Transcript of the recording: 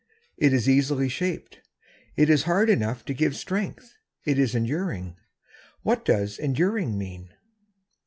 It is easily shaped. It is hard enough to give strength. It is enduring. What does "enduring" mean?